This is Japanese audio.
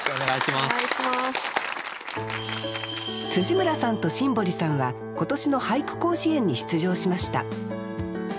村さんと新堀さんは今年の俳句甲子園に出場しました。